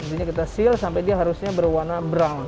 kemudian kita seal sampai harusnya berwarna brown